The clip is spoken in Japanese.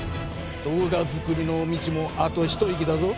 動画作りの道もあとひと息だぞ。